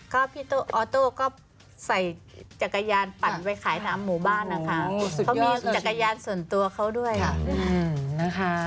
ก็พี่ออโต้ก็ใส่จักรยานปั่นไปขายตามหมู่บ้านนะคะเขามีจักรยานส่วนตัวเขาด้วยนะคะ